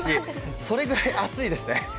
それぐらい暑いですね。